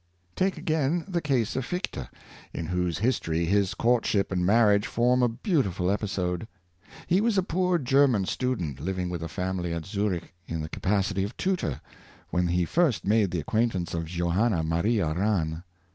Take, again, the case of Fichte, in whose history his courtship and marriage form a beautiful episode. He was a poor German student, living with a family at Zurich in the capacity of tutor, when he first made the acquaintance of Johanna Maria Rahn.